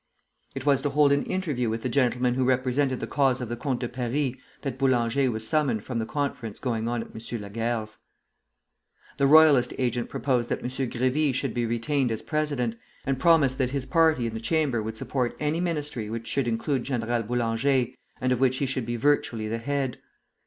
It was to hold an interview with the gentleman who represented the cause of the Comte de Paris that Boulanger was summoned from the conference going on at M. Laguerre's. The Royalist agent proposed that M. Grévy should be retained as president, and promised that his party in the Chamber would support any ministry which should include General Boulanger, and of which he should be virtually the head.